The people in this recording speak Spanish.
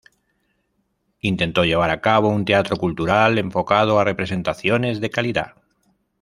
Intentó llevar a cabo un teatro cultural enfocado a representaciones de calidad.